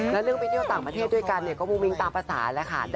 แล้วเรื่องไปเที่ยวต่างประเทศด้วยกันก็มุ้งมิ้งตามภาษาแล้วค่ะ